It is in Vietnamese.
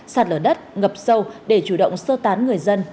sạt lở đất ngập sâu để chủ động sơ tán người dân